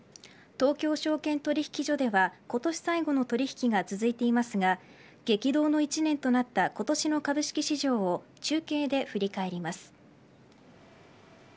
東京証券取引所では今年最後の取引が続いていますが激動の１年となった今年の株式市場を中継で振り返ります。